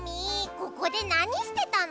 ここでなにしてたの？